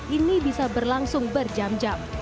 ini bisa berlangsung berjam jam